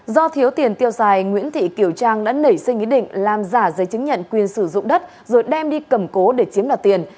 do thiếu tiền tiêu xài nguyễn thị kiểu trang đã nảy sinh ý định làm giả giấy chứng nhận quyền sử dụng đất rồi đem đi cầm cố để chiếm đoạt tiền